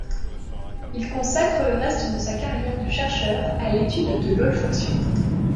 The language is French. Il consacre le reste de sa carrière de chercheur à l'étude de l'olfaction.